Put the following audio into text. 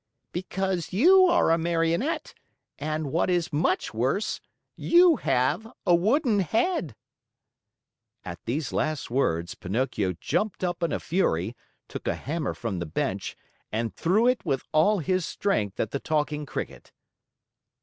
"Because you are a Marionette and, what is much worse, you have a wooden head." At these last words, Pinocchio jumped up in a fury, took a hammer from the bench, and threw it with all his strength at the Talking Cricket.